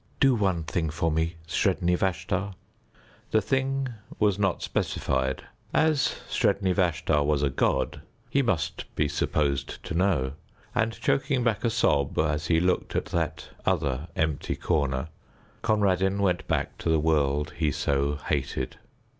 "Do one thing for me, Sredni Vashtar." The thing was not specified. As Sredni Vashtar was a god he must be supposed to know. And choking back a sob as he looked at that other empty corner, Conradin went back to the world he so hated.